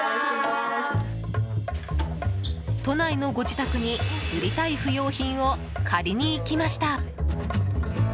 都内のご自宅に売りたい不用品を借りに行きました。